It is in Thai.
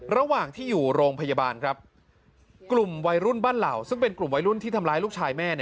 ระหว่างที่อยู่โรงพยาบาลครับกลุ่มวัยรุ่นบ้านเหล่าซึ่งเป็นกลุ่มวัยรุ่นที่ทำร้ายลูกชายแม่